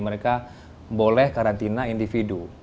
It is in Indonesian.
mereka boleh karantina individu